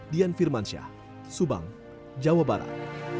dian firmansyah subang jawa barat